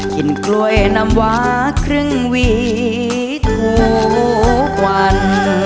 กินกล้วยน้ำวาครึ่งหวีทุกวัน